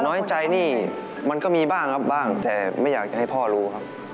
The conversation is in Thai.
น้อยใจนี่มันก็มีบ้างแต่ไม่อยากให้พ่อรู้ครับ